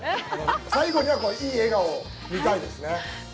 最後には、いい笑顔を見たいですね。